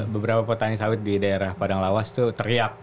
beberapa petani sawit di daerah padang lawas itu teriak